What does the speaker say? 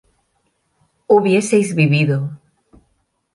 hubieseis vivido